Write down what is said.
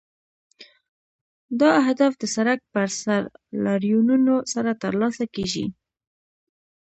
دا اهداف د سړک پر سر لاریونونو سره ترلاسه کیږي.